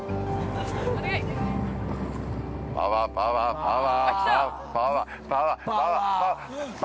パワー、パワー、パワー。